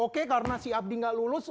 oke karena si abdi nggak lulus